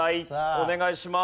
お願いします。